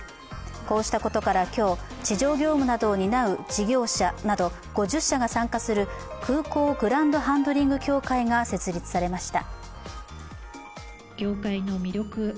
こうしたことから今日、地上業務などを担う事業者など５０社が参加する空港グランドハンドリング協会が設立されました。